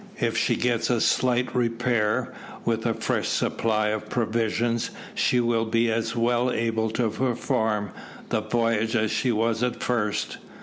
If she gets a slight repair, with a fresh supply of provisions, she will be as well able to perform the voyage as she was at first.